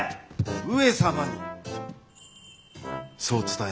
上様にそう伝え。